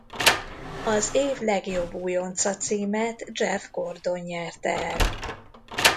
Az év legjobb újonca-címet Jeff Gordon nyerte el.